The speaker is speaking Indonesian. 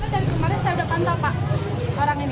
dari kemarin saya udah pantau pak orang ini